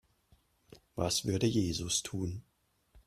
Was würde Jesus tun?